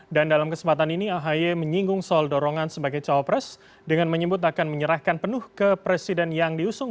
dan dalam kesempatan ini ahy menyinggung soal dorongan sebagai cawapres dengan menyebut akan menyerahkan penuh ke presiden yang diusung